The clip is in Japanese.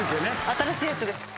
新しいやつです。